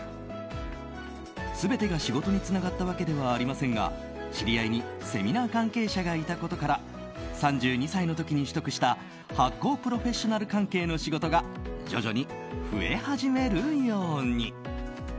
全てが仕事につながったわけではありませんが知り合いにセミナー関係者がいたことから３２歳の時に取得した発酵プロフェッショナル関係の仕事が徐々に増え始めるように。